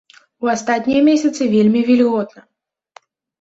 У астатнія месяцы вельмі вільготна.